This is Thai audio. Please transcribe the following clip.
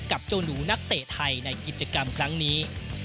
กับเจ้าหนูนักเตะไทยในกิจกรรมครั้งนี้